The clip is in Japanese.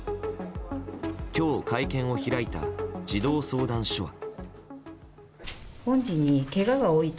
今日、会見を開いた児童相談所は。